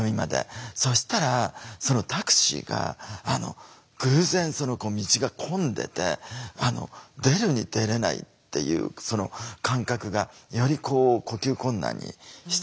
そしたらそのタクシーが偶然道が混んでて出るに出れないっていうその感覚がよりこう呼吸困難にしていくわけですよね。